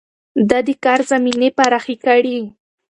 ده د کار زمينې پراخې کړې.